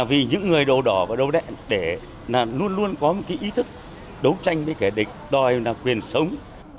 vì những người đầu đỏ và đầu đen để luôn luôn có ý thức đấu tranh với địch đòi quyền sống